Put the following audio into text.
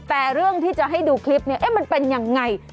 แต่เรื่องที่จะให้ดูคลิปเนี่ยมันเป็นยังไง